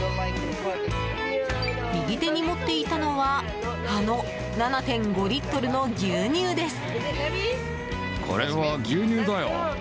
右手に持っていたのはあの７．５リットルの牛乳です。